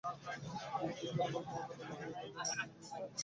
বৃদ্ধ ইহার উপর কোনো কথা কহিলেন না এবং বিনয় নিজে গিয়া গাড়ি ডাকিয়া আনিল।